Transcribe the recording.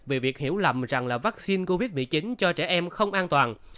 các quý vị có thể hiểu lầm rằng vaccine covid một mươi chín cho trẻ em không an toàn